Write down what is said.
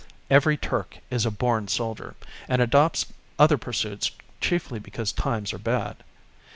Every Turk is a born soldier, and adopts other pursuits chiefly because times are bad.